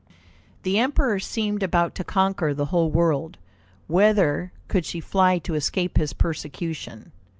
The Emperor seemed about to conquer the whole world. Whither could she fly to escape his persecution?